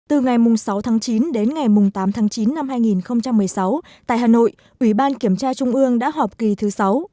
từ ngày sáu tháng chín đến ngày tám tháng chín năm hai nghìn một mươi sáu tại hà nội ủy ban kiểm tra trung ương đã họp kỳ thứ sáu